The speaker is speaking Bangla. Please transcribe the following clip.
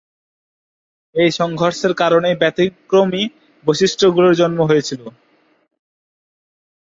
এই সংঘর্ষের কারণেই ব্যতিক্রমী বৈশিষ্ট্যগুলোর জন্ম হয়েছিল।